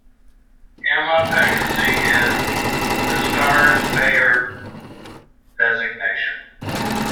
"Gamma Pegasi" is the star's Bayer designation.